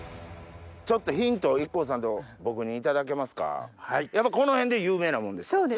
ちょっとヒントをＩＫＫＯさんと僕に頂けますか？